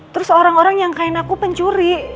terus orang orang yang kain aku pencuri